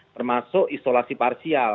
termasuk isolasi parsial